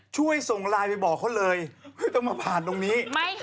ช่วยส่งไลน์ไปบอกเขาเลยไม่ต้องมาผ่านตรงนี้